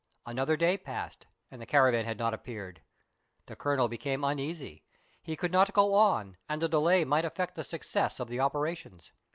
Another day passed and the caravan had not appeared. The Colonel became uneasy ; he could not go on, and the delay might affect the success of the operations.